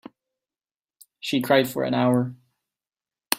She cried for an hour.